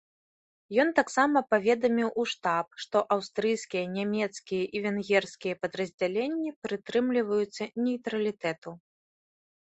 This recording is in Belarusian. Ён таксама паведаміў у штаб, што аўстрыйскія, нямецкія і венгерскія падраздзяленні прытрымліваюцца нейтралітэту.